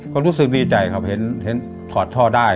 ก็รู้สึกดีใจครับเห็นถอดท่อได้